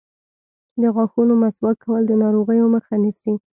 د غاښونو مسواک کول د ناروغیو مخه نیسي.